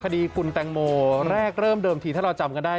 คดีคุณแตงโมแรกเริ่มเดิมทีถ้าเราจำกันได้